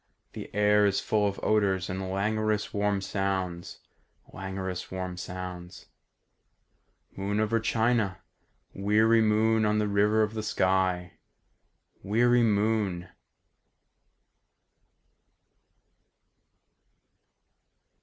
The air is full of odours And languorous warm sounds ... languorous warm sounds. "Moon over China, Weary moon on the river of the sky ... weary moon!"